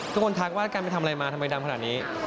ทักว่าการไปทำอะไรมาทำไมดำขนาดนี้